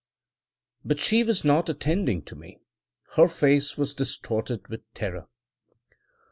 But she was not attending to me. Her face was distorted with terror.